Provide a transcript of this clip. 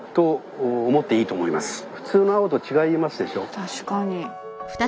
確かに。